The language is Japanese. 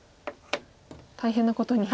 大変なことに。